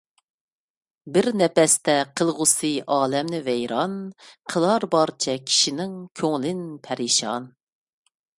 بىر نەپەستە قىلغۇسى ئالەمنى ۋەيران، قىلار بارچە كىشىنىڭ كۆڭلىن پەرىشان.